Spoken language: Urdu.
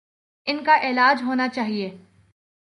ان کا علاج ہونا چاہیے۔